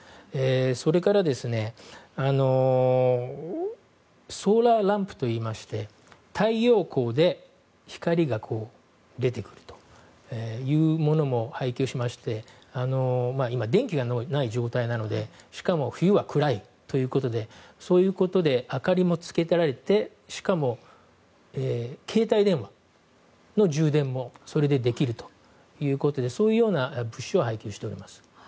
それからソーラーランプといいまして太陽光で光が出てくるというものも配給しまして今、電気がない状態なのでしかも冬は暗いということでそういうことで明かりもつけられてしかも、携帯電話の充電もそれでできるということでそういう物資を配給しております。